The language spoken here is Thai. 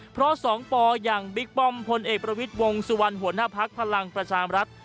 เพราะ๒ปอย่างบิ๊กป้อมพลเอกประวิทย์วงสุวรรณหัวหน้าภักดิ์พลังประชามรัฐ